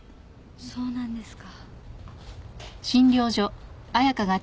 そうなんですか。